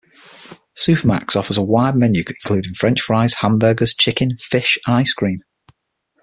Supermac's offers a wide menu including French fries, hamburgers, chicken, fish and ice cream.